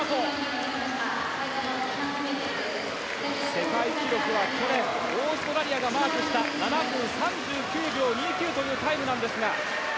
世界記録は去年オーストラリアがマークした７分３９秒２９というタイムなんですが。